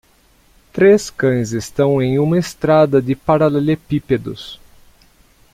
Três cães estão em uma estrada de paralelepípedos.